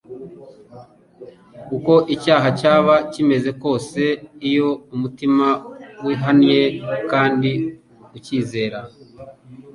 Uko icyaha cyaba kimeze kose, iyo umutima wihannye, kandi ukizera,